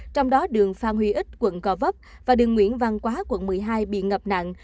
trong đó đường phan huy ích quận gò vấp và đường nguyễn văn quá quận một mươi hai bị ngập nặng